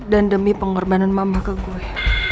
dan demi pengorbanan mama ke gue